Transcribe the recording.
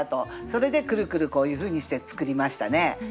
それでくるくるこういうふうにして作りましたね。